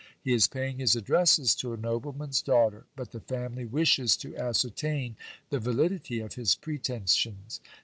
He is paying his addresses to a nobleman's daughter ; but the family wishes to ascertain the validity of his pretensions.